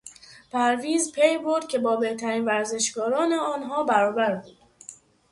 پرویز پی برد که با بهترین ورزشکاران آنها برابر بود.